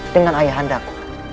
dengan ayah anda ku